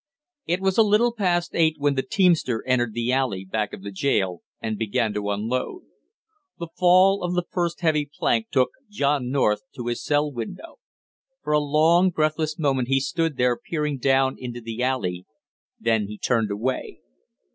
It was a little past eight when the teamster entered the alley back of the jail and began to unload. The fall of the first heavy plank took John North to his cell window. For a long breathless moment he stood there peering down into the alley, then he turned away.